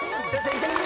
いけるぞ。